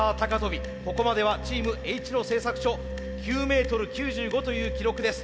ここまではチームＨ野製作所９メートル９５という記録です。